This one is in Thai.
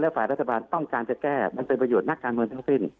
ฝ่ายรัฐบาลต้องการจะแก้มันเป็นประโยชน์นักการเมืองทั้งสิ้น